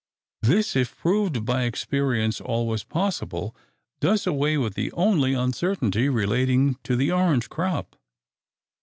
This, if proved by experience, always possible, does away with the only uncertainty relating to the orange crop.